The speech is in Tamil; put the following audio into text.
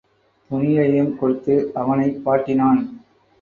துணியையும் கொடுத்து, அவனைப் பாட்டினான்.